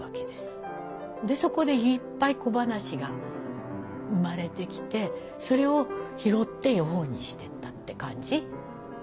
そこでいっぱい小ばなしが生まれてきてそれを拾って絵本にしてったって感じ。